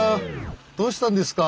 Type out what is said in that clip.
どうしたんですか？